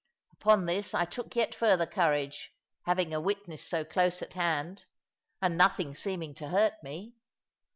Upon this I took yet further courage, having a witness so close at hand, and nothing seeming to hurt me.